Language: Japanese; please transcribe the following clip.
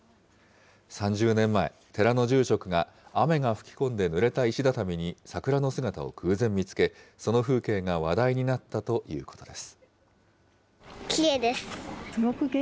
３０年前、寺の住職が雨が吹き込んで、ぬれた石畳に桜の姿を偶然見つけ、その風景が話題になったということです。